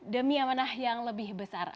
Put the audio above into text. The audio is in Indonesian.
demi amanah yang lebih besar